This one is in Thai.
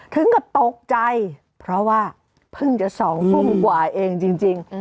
ถึงกับตกใจเพราะว่าเพิ่งจะ๒ทุ่มกว่าเองจริง